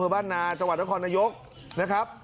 บ้านนาจังหวัดนครนายกนะครับ